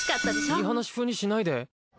いい話風にしないで。